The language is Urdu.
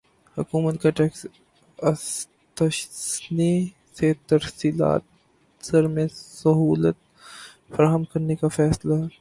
حکومت کا ٹیکس استثنی سے ترسیلات زر میں سہولت فراہم کرنے کا فیصلہ